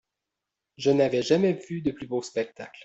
Je n'avais jamais vu de plus beau spectacle.